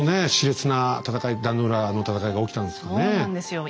熾烈な戦い壇の浦の戦いが起きたんですね。